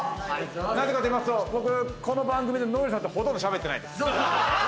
なぜかといいますと僕この番組で如恵留さんとほとんどしゃべってないです。